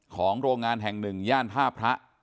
ของโรงงานแห่ง๑ย่านท่าพระ